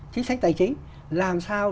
chính sách tài chính làm sao